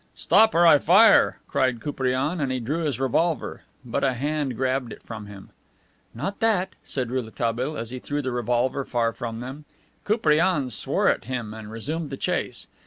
"Stop, or I fire!" cried Koupriane, and he drew his revolver. But a hand grabbed it from him. "Not that!" said Rouletabille, as he threw the revolver far from them. Koupriane swore at him and resumed the chase.